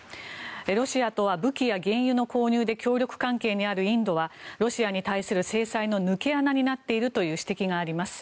ロシアとは武器や原油の購入で協力関係にあるインドはロシアに対する制裁の抜け穴になっているという指摘があります。